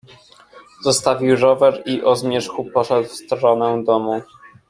"Zostawił rower i o zmierzchu poszedł w stronę domu."